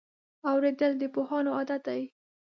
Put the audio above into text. اورېدل د پوهانو عادت دی.